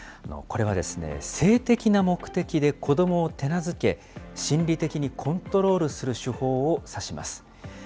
これは、性的な目的で子どもを手なずけ、心理的にコントロールする手法を指します。